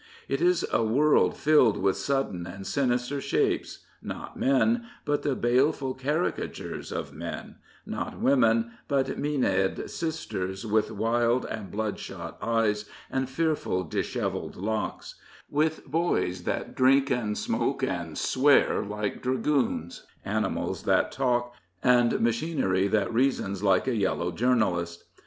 It is a world filled with sudden and sinister shapes — not men, but the baleful caricatures of men; not women, but Maenad sisters, with wild and bloodshot eyes and fearful disi^velled locks; with boys that drink and smoke and swear like dragoons; animals that talk and machinery that reasons like a Yellow journalist.